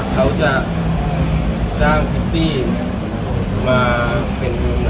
เขาจะจ้างแทรกซี่มาเหมือนจะเป็นกะครับ